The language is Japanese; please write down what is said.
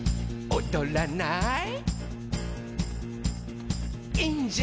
「おどらない？」